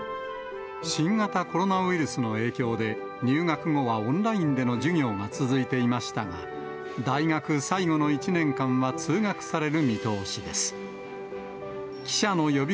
新型コロナウイルスの影響で、入学後はオンラインでの授業が続いていましたが、大学最後の１年間は通学される見通しです。